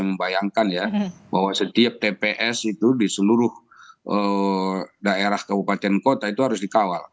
membayangkan ya bahwa setiap tps itu di seluruh daerah kabupaten kota itu harus dikawal